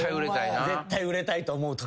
絶対売れたいと思う時な。